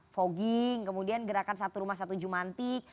fogging kemudian gerakan satu rumah satu jumantik